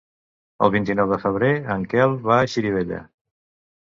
El vint-i-nou de febrer en Quel va a Xirivella.